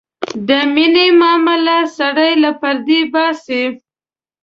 د مینې معامله سړی له پردې باسي.